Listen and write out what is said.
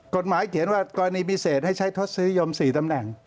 กฎหมายเขียนว่ากรณีพิเศษให้ใช้ทดซื้อยม๔ตำแหน่ง